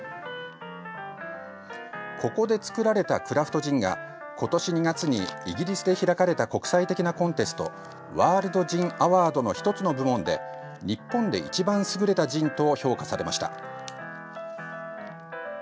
ここで造られたクラフトジンが今年２月にイギリスで開かれた国際的なコンテストワールド・ジン・アワードの１つの部門で日本で一番優れたジンと評価されました。